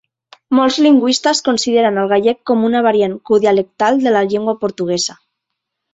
Molts lingüistes consideren el gallec com una variant codialectal de la llengua portuguesa.